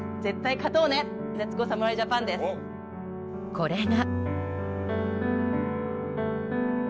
これが。